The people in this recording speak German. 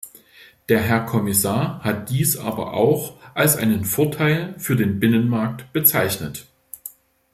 Der Herr Kommissar hat dies aber auch als einen Vorteil für den Binnenmarkt bezeichnet.